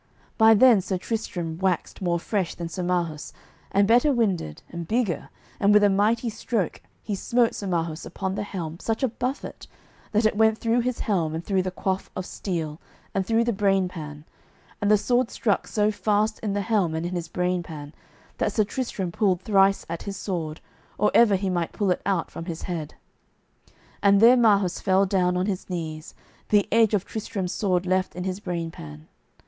By then Sir Tristram waxed more fresh than Sir Marhaus, and better winded, and bigger, and with a mighty stroke he smote Sir Marhaus upon the helm such a buffet, that it went through his helm and through the coif of steel and through the brain pan, and the sword stuck so fast in the helm and in his brain pan that Sir Tristram pulled thrice at his sword or ever he might pull it out from his head; and there Marhaus fell down on his knees, the edge of Tristram's sword left in his brain pan.